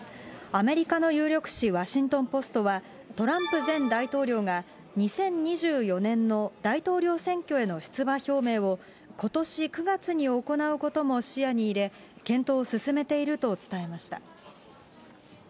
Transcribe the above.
アメリカの有力紙、ワシントン・ポストは、トランプ前大統領が、２０２４年の大統領選挙への出馬表明を、ことし９月に行うことも視野に入れ、検討を進めていると伝えました。